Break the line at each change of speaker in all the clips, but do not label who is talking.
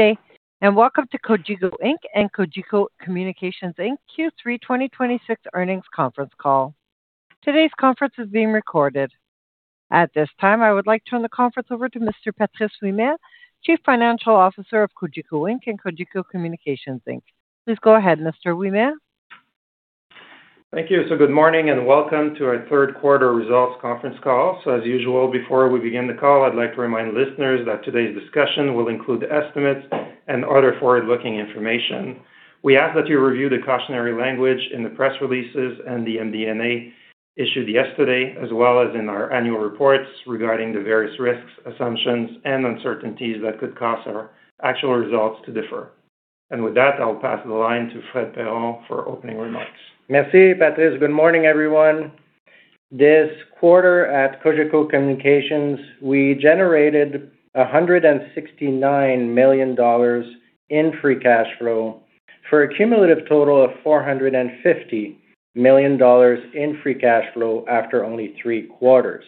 Day, welcome to Cogeco Inc. and Cogeco Communications Inc. Q3 2026 earnings conference call. Today's conference is being recorded. At this time, I would like to turn the conference over to Mr. Patrice Ouimet, Chief Financial Officer of Cogeco Inc. and Cogeco Communications Inc. Please go ahead, Mr. Ouimet.
Thank you. Good morning and welcome to our third quarter results conference call. As usual, before we begin the call, I'd like to remind listeners that today's discussion will include estimates and other forward-looking information. We ask that you review the cautionary language in the press releases and the MD&A issued yesterday, as well as in our annual reports regarding the various risks, assumptions, and uncertainties that could cause our actual results to differ. With that, I'll pass the line to Fred Perron for opening remarks.
Merci, Patrice. Good morning, everyone. This quarter at Cogeco Communications, we generated 169 million dollars in free cash flow for a cumulative total of 450 million dollars in free cash flow after only three quarters,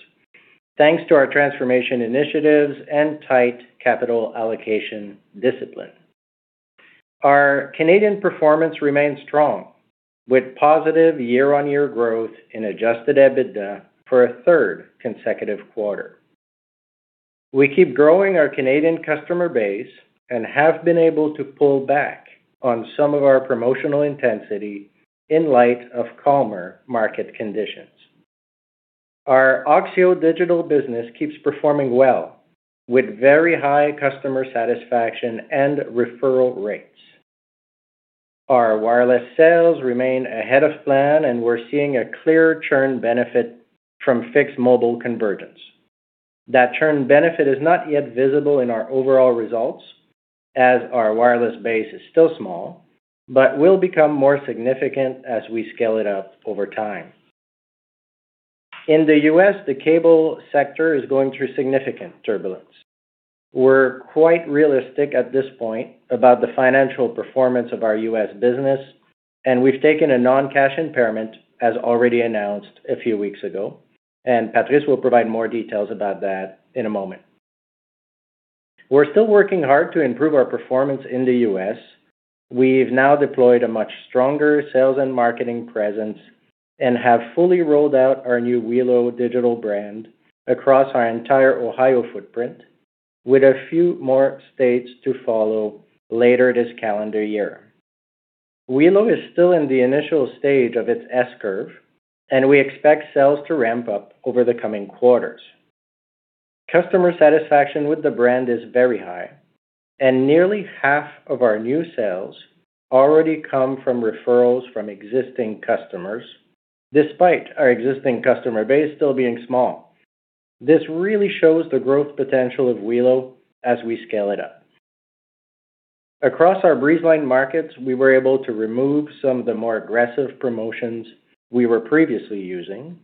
thanks to our transformation initiatives and tight capital allocation discipline. Our Canadian performance remains strong, with positive year-on-year growth in adjusted EBITDA for a third consecutive quarter. We keep growing our Canadian customer base and have been able to pull back on some of our promotional intensity in light of calmer market conditions. Our OXIO digital business keeps performing well with very high customer satisfaction and referral rates. Our wireless sales remain ahead of plan, and we're seeing a clear churn benefit from fixed mobile convergence. That churn benefit is not yet visible in our overall results, as our wireless base is still small, but will become more significant as we scale it up over time. In the U.S., the cable sector is going through significant turbulence. We're quite realistic at this point about the financial performance of our U.S. business, and we've taken a non-cash impairment, as already announced a few weeks ago, and Patrice will provide more details about that in a moment. We're still working hard to improve our performance in the U.S. We've now deployed a much stronger sales and marketing presence and have fully rolled out our new Welo digital brand across our entire Ohio footprint, with a few more states to follow later this calendar year. Welo is still in the initial stage of its S-curve, and we expect sales to ramp up over the coming quarters. Customer satisfaction with the brand is very high, and nearly half of our new sales already come from referrals from existing customers, despite our existing customer base still being small. This really shows the growth potential of Welo as we scale it up. Across our Breezeline markets, we were able to remove some of the more aggressive promotions we were previously using,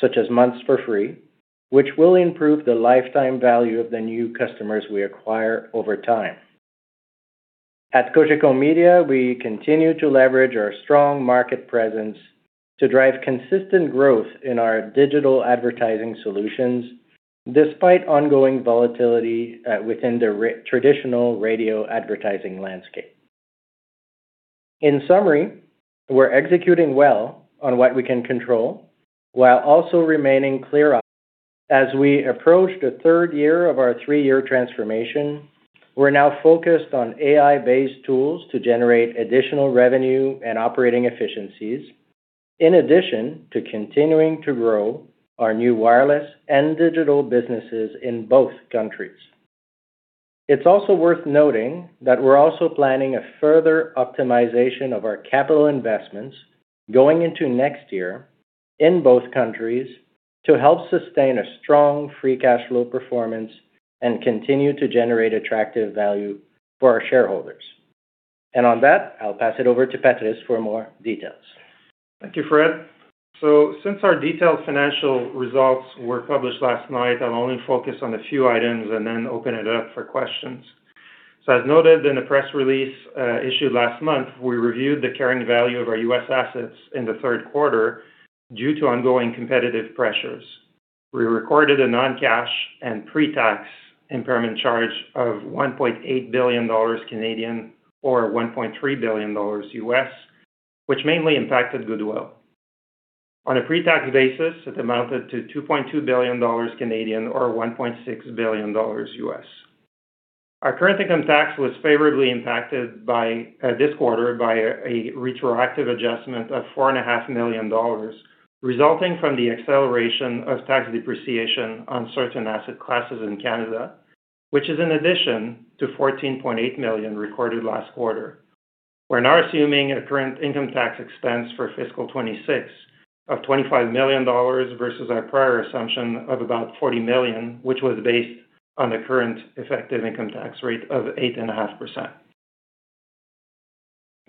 such as months for free, which will improve the lifetime value of the new customers we acquire over time. At Cogeco Media, we continue to leverage our strong market presence to drive consistent growth in our digital advertising solutions, despite ongoing volatility within the traditional radio advertising landscape. In summary, we're executing well on what we can control while also remaining clear-eyed. As we approach the third year of our three-year transformation, we're now focused on AI-based tools to generate additional revenue and operating efficiencies, in addition to continuing to grow our new wireless and digital businesses in both countries. It's also worth noting that we're also planning a further optimization of our capital investments going into next year in both countries to help sustain a strong free cash flow performance and continue to generate attractive value for our shareholders. On that, I'll pass it over to Patrice for more details.
Thank you, Fred. Since our detailed financial results were published last night, I'll only focus on a few items and then open it up for questions. As noted in the press release issued last month, we reviewed the carrying value of our U.S. assets in the third quarter due to ongoing competitive pressures. We recorded a non-cash and pretax impairment charge of 1.8 billion Canadian dollars or $1.3 billion, which mainly impacted goodwill. On a pretax basis, it amounted to 2.2 billion Canadian dollars or $1.6 billion. Our current income tax was favorably impacted this quarter by a retroactive adjustment of 4.5 million dollars, resulting from the acceleration of tax depreciation on certain asset classes in Canada, which is in addition to 14.8 million recorded last quarter. We're now assuming a current income tax expense for fiscal 2026 of 25 million dollars versus our prior assumption of about 40 million, which was based on the current effective income tax rate of 8.5%.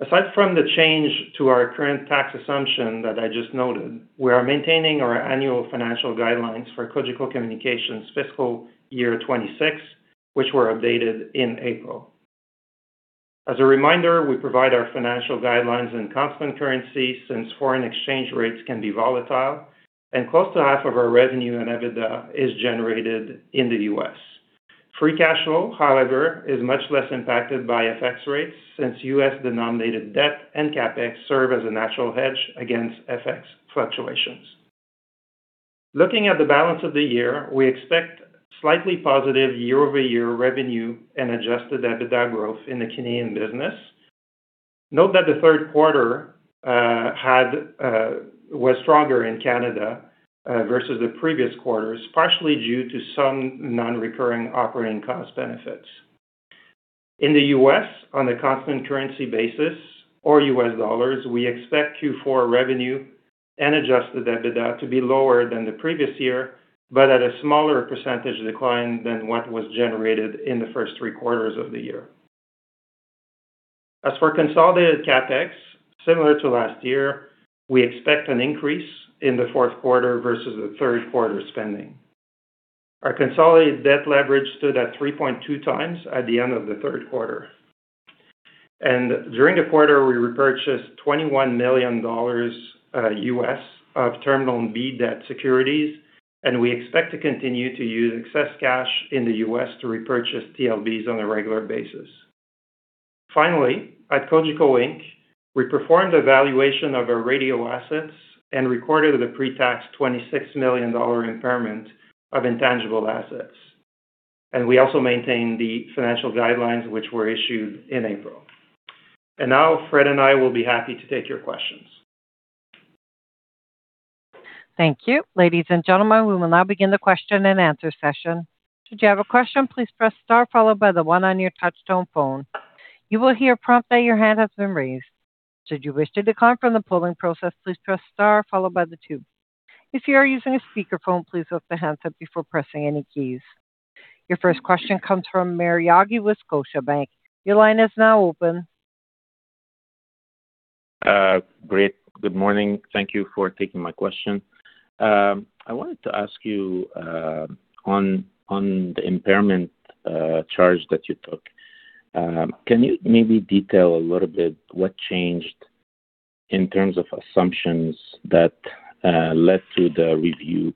Aside from the change to our current tax assumption that I just noted, we are maintaining our annual financial guidelines for Cogeco Communications fiscal year 2026, which were updated in April. As a reminder, we provide our financial guidelines in constant currency since foreign exchange rates can be volatile and close to half of our revenue and EBITDA is generated in the U.S. Free cash flow, however, is much less impacted by FX rates since U.S.-denominated debt and CapEx serve as a natural hedge against FX fluctuations. Looking at the balance of the year, we expect slightly positive year-over-year revenue and adjusted EBITDA growth in the Canadian business. Note that the third quarter was stronger in Canada versus the previous quarters, partially due to some non-recurring operating cost benefits. In the U.S., on a constant currency basis or US dollars, we expect Q4 revenue and adjusted EBITDA to be lower than the previous year, but at a smaller percentage decline than what was generated in the first three quarters of the year. As for consolidated CapEx, similar to last year, we expect an increase in the fourth quarter versus the third quarter spending. Our consolidated debt leverage stood at 3.2x at the end of the third quarter. During the quarter, we repurchased $21 million U.S. of Term Loan B debt securities, and we expect to continue to use excess cash in the U.S. to repurchase TLBs on a regular basis. Finally, at Cogeco Inc., we performed a valuation of our radio assets and recorded a pre-tax 26 million dollar impairment of intangible assets. We also maintain the financial guidelines which were issued in April. Now Fred and I will be happy to take your questions.
Thank you. Ladies and gentlemen, we will now begin the question and answer session. Should you have a question, please press star followed by the one on your touch-tone phone. You will hear a prompt that your hand has been raised. Should you wish to decline from the polling process, please press star followed by the two. If you are using a speakerphone, please lift the handset before pressing any keys. Your first question comes from Maher Yaghi with Scotiabank. Your line is now open.
Great. Good morning. Thank you for taking my question. I wanted to ask you on the impairment charge that you took. Can you maybe detail a little bit what changed in terms of assumptions that led to the review?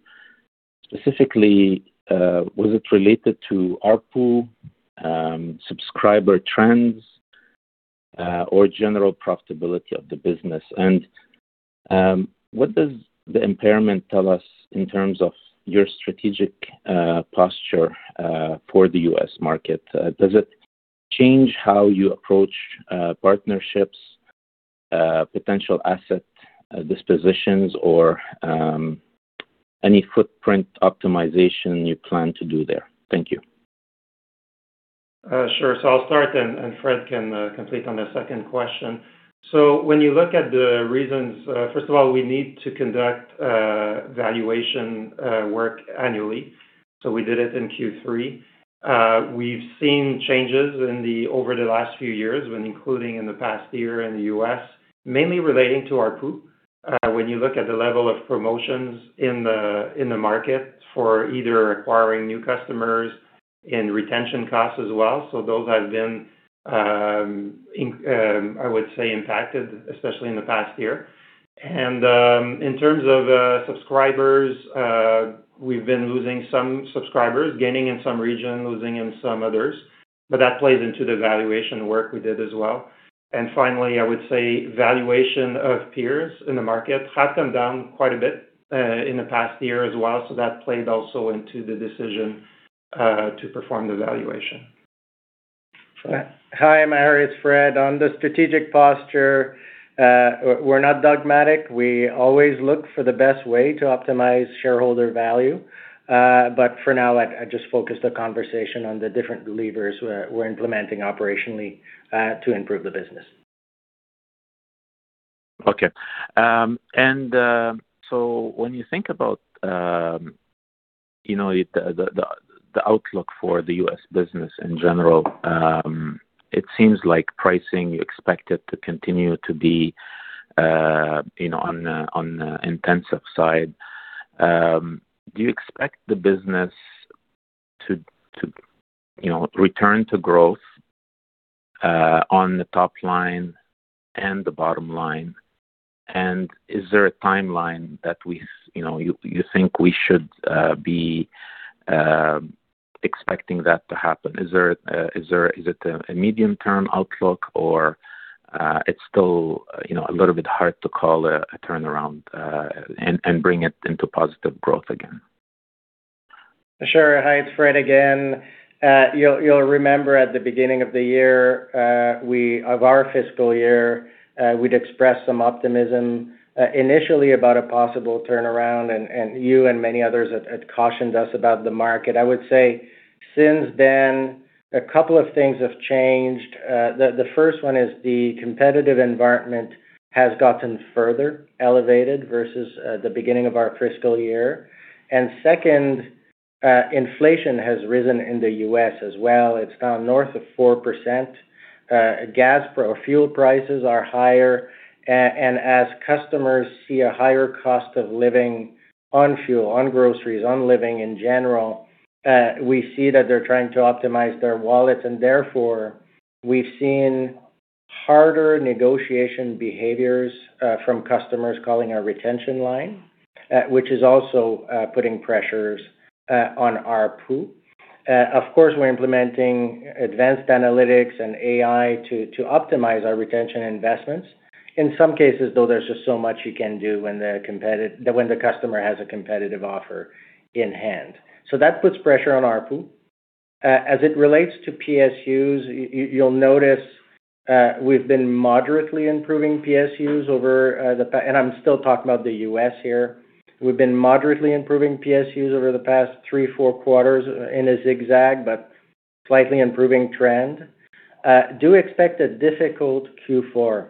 Specifically, was it related to ARPU, subscriber trends, or general profitability of the business? What does the impairment tell us in terms of your strategic posture for the U.S. market? Does it change how you approach partnerships, potential asset dispositions, or any footprint optimization you plan to do there? Thank you.
Sure. I'll start and Fred can complete on the second question. When you look at the reasons, first of all, we need to conduct valuation work annually. We did it in Q3. We've seen changes over the last few years when including in the past year in the U.S., mainly relating to ARPU. When you look at the level of promotions in the market for either acquiring new customers and retention costs as well. Those have been, I would say, impacted, especially in the past year. In terms of subscribers, we've been losing some subscribers, gaining in some regions, losing in some others. That plays into the valuation work we did as well. Finally, I would say valuation of peers in the market has come down quite a bit in the past year as well. That played also into the decision to perform the valuation.
Hi, Maher. It's Fred. On the strategic posture, we're not dogmatic. We always look for the best way to optimize shareholder value. For now, I'd just focus the conversation on the different levers we're implementing operationally to improve the business.
Okay. When you think about the outlook for the U.S. business in general, it seems like pricing, you expect it to continue to be on the intensive side. Do you expect the business to return to growth on the top line and the bottom line? Is there a timeline that you think we should be expecting that to happen? Is it a medium-term outlook or it's still a little bit hard to call a turnaround and bring it into positive growth again?
Sure. Hi, it's Fred again. You'll remember at the beginning of our fiscal year, we'd expressed some optimism initially about a possible turnaround, and you and many others had cautioned us about the market. I would say since then, a couple of things have changed. The first one is the competitive environment has gotten further elevated versus the beginning of our fiscal year. Second, inflation has risen in the U.S. as well. It's gone north of 4%. Gas or fuel prices are higher. As customers see a higher cost of living on fuel, on groceries, on living in general, we see that they're trying to optimize their wallets, and therefore, we've seen harder negotiation behaviors from customers calling our retention line, which is also putting pressures on ARPU. Of course, we're implementing advanced analytics and AI to optimize our retention investments. In some cases, though, there's just so much you can do when the customer has a competitive offer in hand. That puts pressure on ARPU. As it relates to PSUs, you'll notice we've been moderately improving PSUs over I'm still talking about the U.S. here. We've been moderately improving PSUs over the past three, four quarters in a zigzag, but slightly improving trend. Do expect a difficult Q4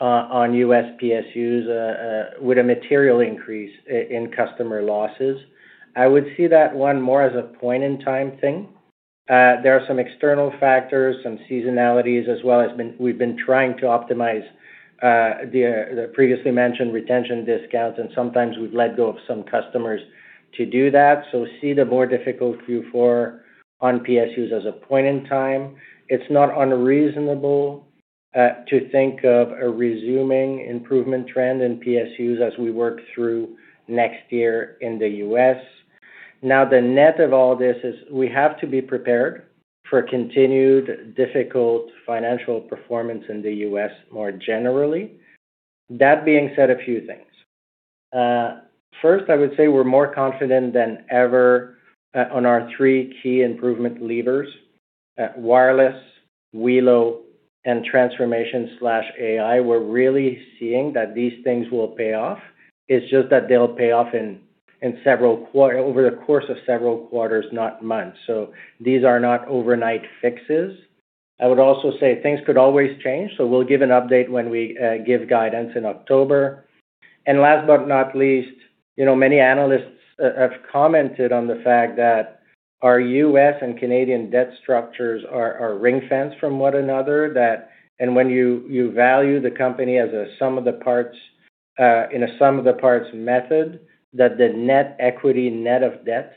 on U.S. PSUs, with a material increase in customer losses. I would see that one more as a point-in-time thing. There are some external factors, some seasonalities, as well as we've been trying to optimize the previously mentioned retention discounts, and sometimes we've let go of some customers to do that. See the more difficult Q4 on PSUs as a point in time. It's not unreasonable to think of a resuming improvement trend in PSUs as we work through next year in the U.S. The net of all this is we have to be prepared for continued difficult financial performance in the U.S. more generally. That being said, a few things. First, I would say we're more confident than ever on our three key improvement levers: wireless, Welo, and transformation/AI. We're really seeing that these things will pay off. It's just that they'll pay off over the course of several quarters, not months. These are not overnight fixes. I would also say things could always change, so we'll give an update when we give guidance in October. Last but not least, many analysts have commented on the fact that our U.S. and Canadian debt structures are ring-fence from one another, and when you value the company in a sum-of-the-parts method, that the net equity, net of debt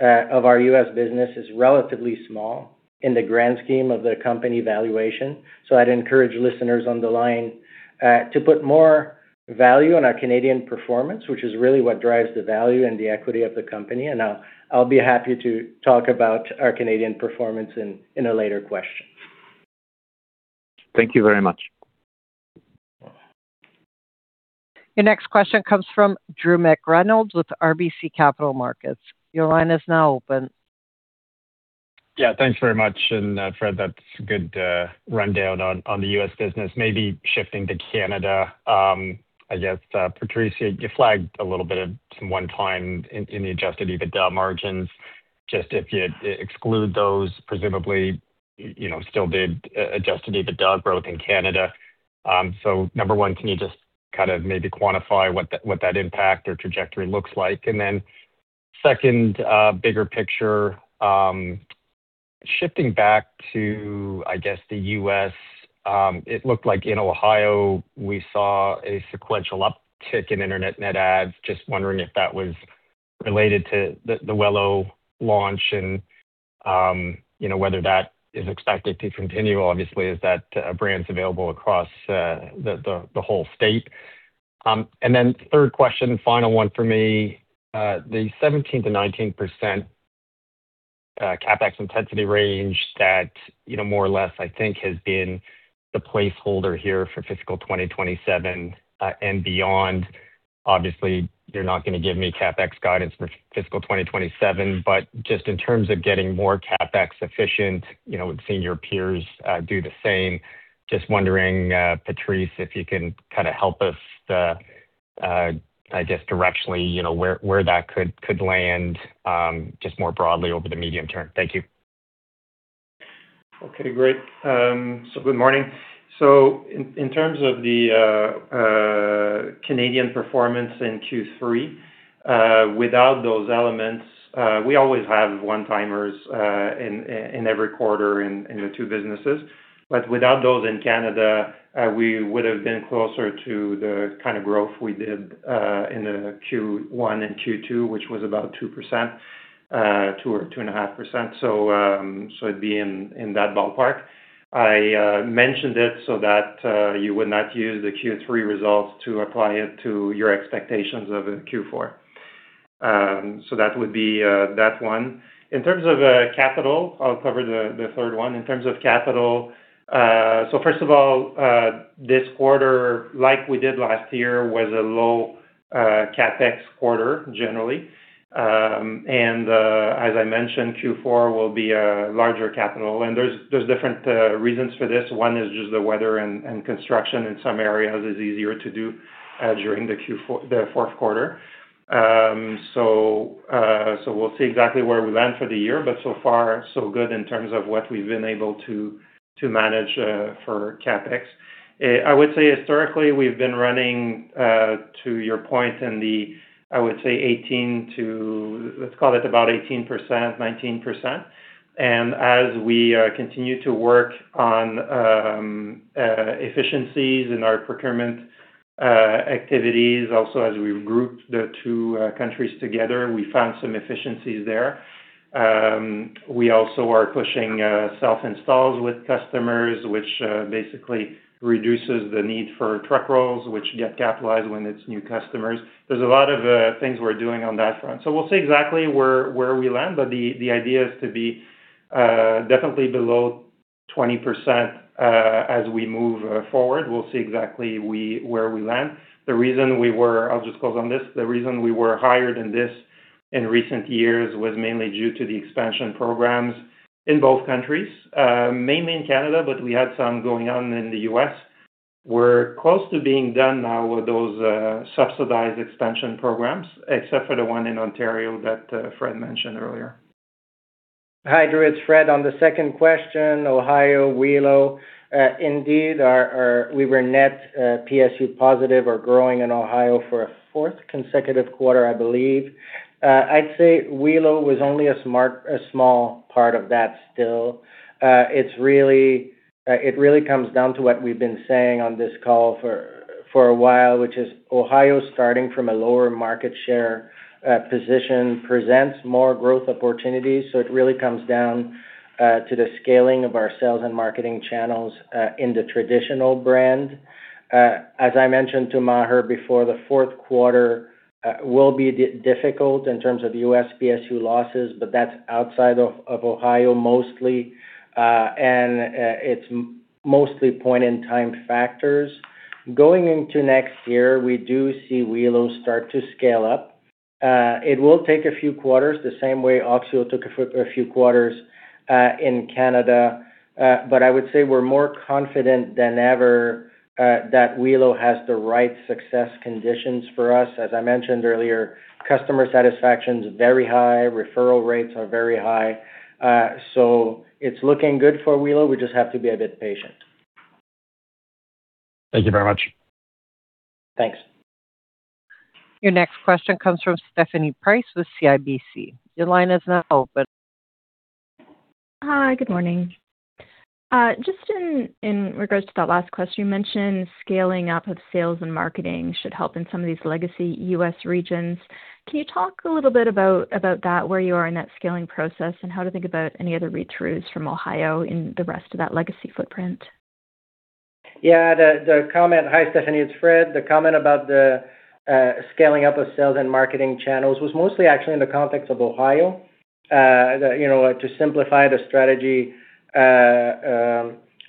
of our U.S. business is relatively small in the grand scheme of the company valuation. I'd encourage listeners on the line to put more value on our Canadian performance, which is really what drives the value and the equity of the company. I'll be happy to talk about our Canadian performance in a later question.
Thank you very much.
Your next question comes from Drew McReynolds with RBC Capital Markets. Your line is now open.
Thanks very much. Fred, that's a good rundown on the U.S. business. Maybe shifting to Canada, I guess, Patrice, you flagged a little bit of some one-time in the adjusted EBITDA margins. Just if you exclude those, presumably, still did adjusted EBITDA growth in Canada. Number one, can you just maybe quantify what that impact or trajectory looks like? Second, bigger picture, shifting back to, I guess, the U.S., it looked like in Ohio, we saw a sequential uptick in internet net adds. Just wondering if that was related to the Welo launch and whether that is expected to continue. Obviously, as that brand's available across the whole state. Third question, final one for me. The 17%-19% CapEx intensity range that more or less, I think, has been the placeholder here for fiscal 2027 and beyond. Obviously, you're not going to give me CapEx guidance for fiscal 2027, but just in terms of getting more CapEx efficient, with seeing your peers do the same, just wondering, Patrice, if you can help us, I guess, directionally, where that could land, just more broadly over the medium term. Thank you.
Good morning. In terms of the Canadian performance in Q3, without those elements, we always have one-timers in every quarter in the two businesses. Without those in Canada, we would have been closer to the kind of growth we did in the Q1 and Q2, which was about 2%-2.5%. It'd be in that ballpark. I mentioned it so that you would not use the Q3 results to apply it to your expectations of Q4. That would be that one. In terms of capital, I'll cover the third one. In terms of capital, first of all, this quarter, like we did last year, was a low CapEx quarter generally. As I mentioned, Q4 will be a larger capital, and there's different reasons for this. One is just the weather and construction in some areas is easier to do during the fourth quarter. We'll see exactly where we land for the year, but so far, so good in terms of what we've been able to manage for CapEx. I would say historically, we've been running, to your point, in the, I would say, 18 to let's call it about 18%-19%. As we continue to work on efficiencies in our procurement activities. As we grouped the two countries together, we found some efficiencies there. We also are pushing self-installs with customers, which basically reduces the need for truck rolls, which get capitalized when it's new customers. There's a lot of things we're doing on that front. We'll see exactly where we land, but the idea is to be definitely below 20% as we move forward. We'll see exactly where we land. I'll just close on this. The reason we were higher than this in recent years was mainly due to the expansion programs in both countries. Mainly in Canada, but we had some going on in the U.S. We're close to being done now with those subsidized expansion programs, except for the one in Ontario that Fred mentioned earlier.
Hi, Drew. It's Fred. On the second question, Ohio, Welo. Indeed, we were net PSU positive or growing in Ohio for a fourth consecutive quarter, I believe. I'd say Welo was only a small part of that still. It really comes down to what we've been saying on this call for a while, which is Ohio starting from a lower market share position presents more growth opportunities. It really comes down to the scaling of our sales and marketing channels in the traditional brand. As I mentioned to Maher before, the fourth quarter will be difficult in terms of U.S. PSU losses, but that's outside of Ohio mostly, and it's mostly point-in-time factors. Going into next year, we do see Welo start to scale up. It will take a few quarters, the same way Oxio took a few quarters in Canada. I would say we're more confident than ever that Welo has the right success conditions for us. As I mentioned earlier, customer satisfaction's very high, referral rates are very high. It's looking good for Welo. We just have to be a bit patient.
Thank you very much.
Thanks.
Your next question comes from Stephanie Price with CIBC. Your line is now open.
Hi, good morning. Just in regards to that last question, you mentioned scaling up of sales and marketing should help in some of these legacy U.S. regions. Can you talk a little bit about that, where you are in that scaling process, and how to think about any other read-throughs from OXIO in the rest of that legacy footprint?
Yeah. Hi, Stephanie. It's Fred. The comment about the scaling up of sales and marketing channels was mostly actually in the context of OXIO. To simplify the strategy,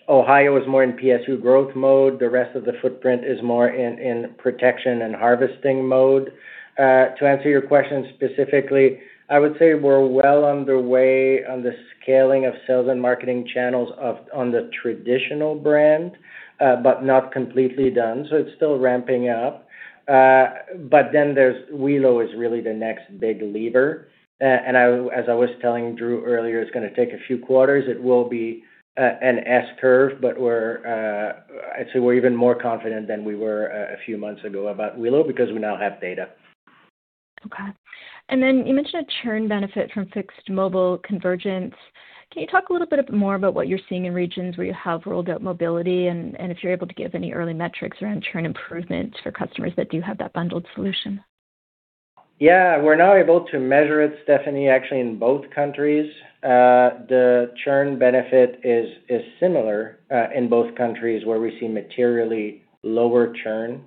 OXIO is more in PSU growth mode. The rest of the footprint is more in protection and harvesting mode. To answer your question specifically, I would say we're well underway on the scaling of sales and marketing channels on the traditional brand, but not completely done. It's still ramping up. Welo is really the next big lever, and as I was telling Drew earlier, it's going to take a few quarters. It will be an S-curve, but I'd say we're even more confident than we were a few months ago about Welo, because we now have data.
Okay. You mentioned a churn benefit from fixed mobile convergence. Can you talk a little bit more about what you're seeing in regions where you have rolled out mobility, and if you're able to give any early metrics around churn improvement for customers that do have that bundled solution?
Yeah. We're now able to measure it, Stephanie, actually in both countries. The churn benefit is similar in both countries, where we see materially lower churn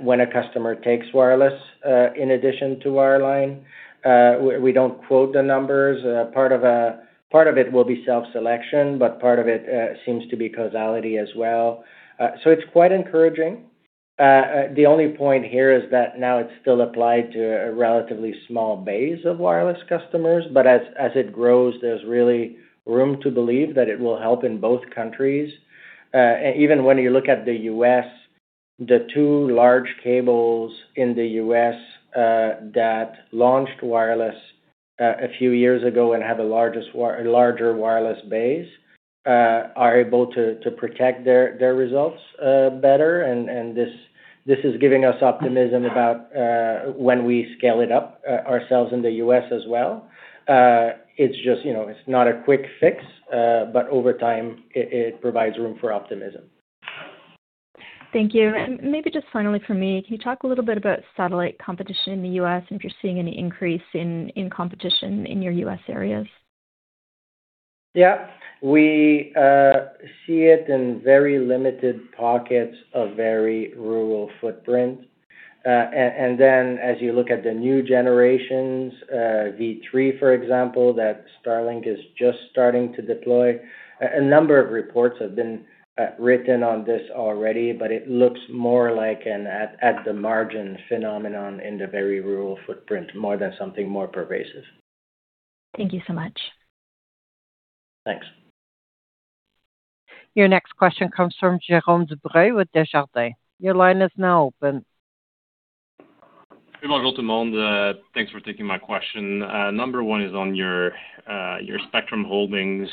when a customer takes wireless, in addition to our line. We don't quote the numbers. Part of it will be self-selection, but part of it seems to be causality as well. It's quite encouraging. The only point here is that now it's still applied to a relatively small base of wireless customers. As it grows, there's really room to believe that it will help in both countries. Even when you look at the U.S., the two large cables in the U.S. that launched wireless a few years ago and have a larger wireless base are able to protect their results better, and this is giving us optimism about when we scale it up ourselves in the U.S. as well. It's not a quick fix, but over time, it provides room for optimism.
Thank you. Maybe just finally from me, can you talk a little bit about satellite competition in the U.S. and if you're seeing any increase in competition in your U.S. areas?
Yeah. We see it in very limited pockets of very rural footprint. Then as you look at the new generations, V3, for example, that Starlink is just starting to deploy. A number of reports have been written on this already, but it looks more like an at the margin phenomenon in the very rural footprint, more than something more pervasive.
Thank you so much.
Thanks.
Your next question comes from Jérôme Dubreuil with Desjardins. Your line is now open.
Thanks for taking my question. Number one is on your spectrum holdings.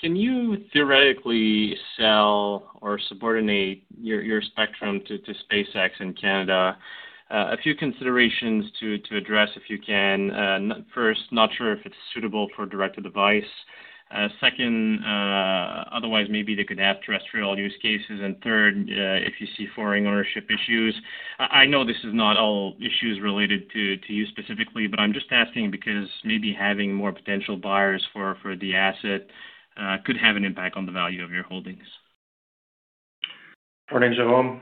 Can you theoretically sell or subordinate your spectrum to SpaceX in Canada? A few considerations to address if you can. First, not sure if it's suitable for direct-to-device Second, otherwise maybe they could have terrestrial use cases. Third, if you see foreign ownership issues. I know this is not all issues related to you specifically, but I'm just asking because maybe having more potential buyers for the asset could have an impact on the value of your holdings.
Morning, Jérôme.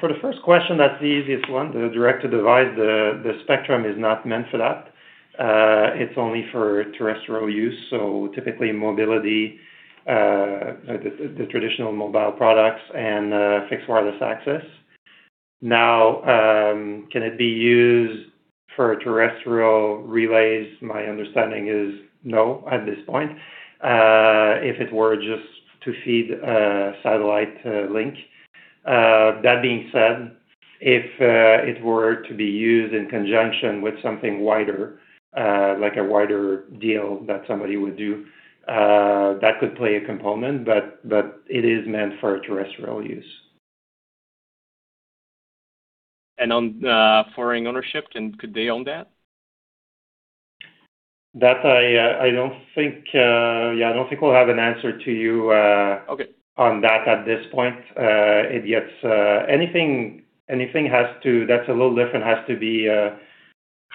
For the first question, that's the easiest one. The direct-to-device, the spectrum is not meant for that. It's only for terrestrial use, so typically mobility, the traditional mobile products, and fixed wireless access. Can it be used for terrestrial relays? My understanding is no at this point, if it were just to feed a satellite link. That being said, if it were to be used in conjunction with something wider, like a wider deal that somebody would do, that could play a component. It is meant for terrestrial use.
On foreign ownership, could they own that?
That I don't think we'll have an answer to you.
Okay.
On that at this point. Anything that's a little different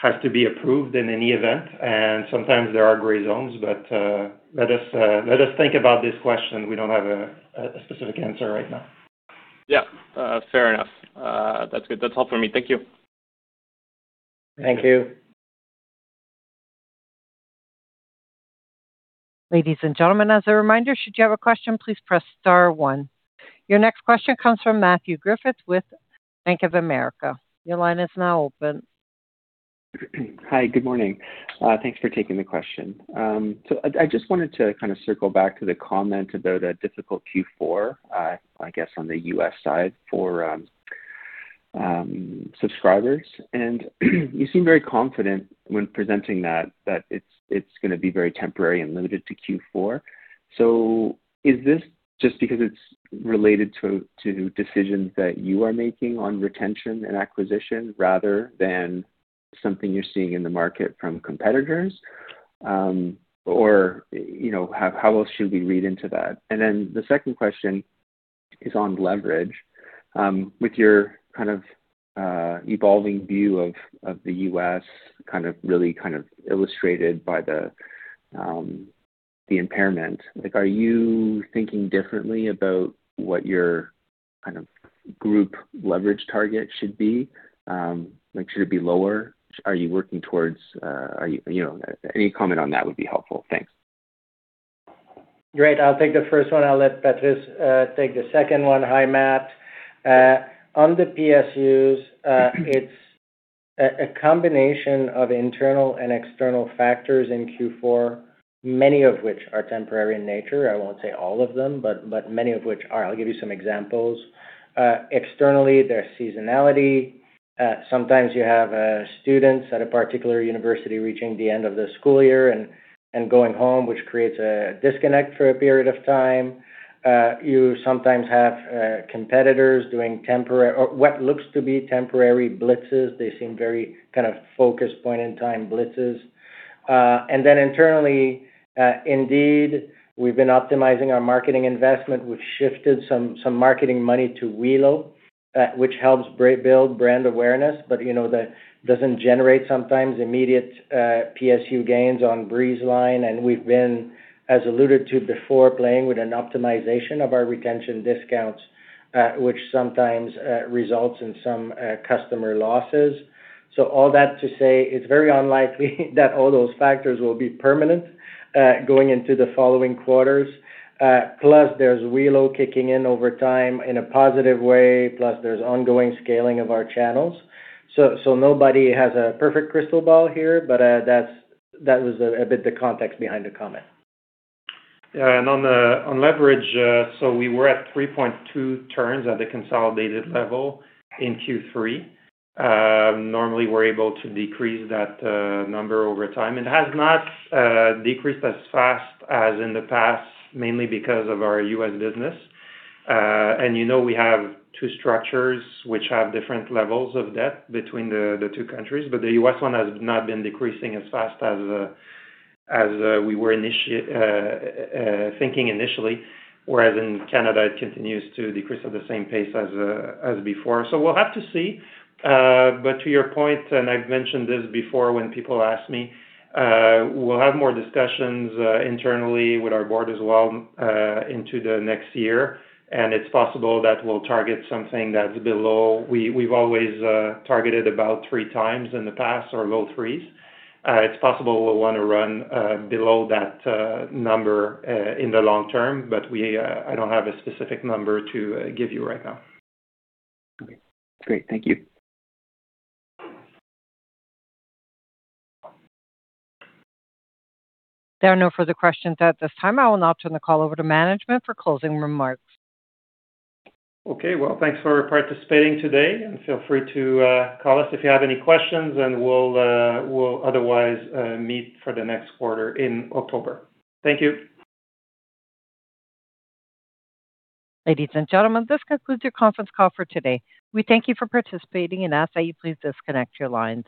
has to be approved in any event, and sometimes there are gray zones. Let us think about this question. We don't have a specific answer right now.
Yeah. Fair enough. That's good. That's all for me. Thank you.
Thank you.
Ladies and gentlemen, as a reminder, should you have a question, please press star one. Your next question comes from Matthew Griffiths with Bank of America. Your line is now open.
Hi. Good morning. Thanks for taking the question. I just wanted to circle back to the comment about a difficult Q4, I guess, on the U.S. side for subscribers. You seem very confident when presenting that it's going to be very temporary and limited to Q4. Is this just because it's related to decisions that you are making on retention and acquisition rather than something you're seeing in the market from competitors? Or how else should we read into that? The second question is on leverage. With your evolving view of the U.S., really illustrated by the impairment, are you thinking differently about what your group leverage target should be? Should it be lower? Any comment on that would be helpful. Thanks.
Great. I'll take the first one. I'll let Patrice take the second one. Hi, Matt. On the PSUs, it's a combination of internal and external factors in Q4, many of which are temporary in nature. I won't say all of them, but many of which are. I'll give you some examples. Externally, there's seasonality. Sometimes you have students at a particular university reaching the end of the school year and going home, which creates a disconnect for a period of time. You sometimes have competitors doing what looks to be temporary blitzes. They seem very focused point-in-time blitzes. Internally, indeed, we've been optimizing our marketing investment. We've shifted some marketing money to Welo, which helps build brand awareness. That doesn't generate sometimes immediate PSU gains on Breezeline. We've been, as alluded to before, playing with an optimization of our retention discounts, which sometimes results in some customer losses. All that to say, it's very unlikely that all those factors will be permanent going into the following quarters. Plus, there's Welo kicking in over time in a positive way, plus there's ongoing scaling of our channels. Nobody has a perfect crystal ball here, but that was a bit the context behind the comment.
On leverage, we were at 3.2 turns at the consolidated level in Q3. Normally, we're able to decrease that number over time. It has not decreased as fast as in the past, mainly because of our U.S. business. You know we have two structures which have different levels of debt between the two countries, but the U.S. one has not been decreasing as fast as we were thinking initially. Whereas in Canada, it continues to decrease at the same pace as before. We'll have to see. To your point, and I've mentioned this before when people ask me, we'll have more discussions internally with our board as well into the next year, and it's possible that we'll target something that's below. We've always targeted about 3x in the past or low threes. It's possible we'll want to run below that number in the long term, but I don't have a specific number to give you right now.
Okay. Great. Thank you.
There are no further questions at this time. I will now turn the call over to management for closing remarks.
Okay. Well, thanks for participating today, and feel free to call us if you have any questions, and we'll otherwise meet for the next quarter in October. Thank you.
Ladies and gentlemen, this concludes your conference call for today. We thank you for participating and ask that you please disconnect your lines.